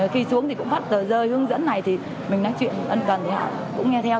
khi xuống thì cũng phát tờ rơi hướng dẫn này thì mình nói chuyện ân cần thì họ cũng nghe theo